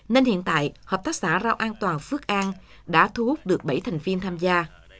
nên hiện tại hợp tác xã rau an toàn phước an đã thu hút được bảy thành viên tham gia